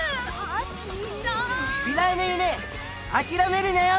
美大の夢諦めるなよ